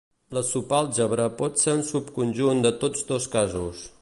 La subàlgebra pot ser un subconjunt de tots dos casos.